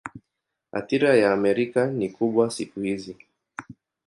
Athira ya Amerika ni kubwa siku hizi.